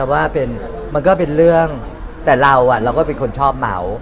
ว่ามันก็เป็นเรื่องแต่เราเราก็เป็นคนชอบเหมา